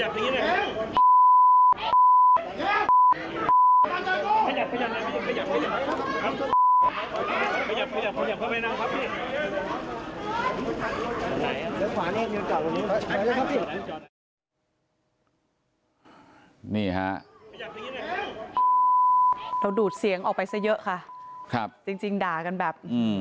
ดูดเสียงออกไปซะเยอะค่ะครับจริงด่ากันแบบ